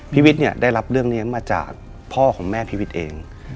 วิทย์เนี่ยได้รับเรื่องนี้มาจากพ่อของแม่พีวิทย์เอง